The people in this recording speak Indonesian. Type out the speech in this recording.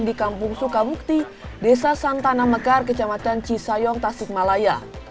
di kampung sukabukti desa santana mekar kecamatan cisayong tasikmalaya